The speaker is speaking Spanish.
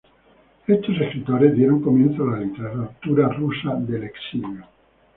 Estos escritores dieron comienzo a la literatura rusa del exilio.